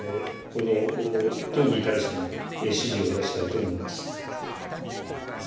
党に対しても指示を出したいと思います。